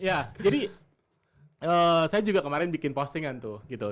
ya jadi saya juga kemarin bikin postingan tuh gitu